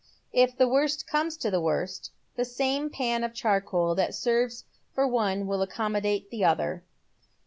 If the worst comes to the worst the same pan of charcoal that serves for one will accommodate the other."